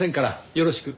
よろしく。